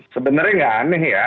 sebenarnya tidak aneh ya